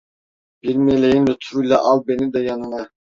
Bir meleğin lütfuyla al beni de yanına!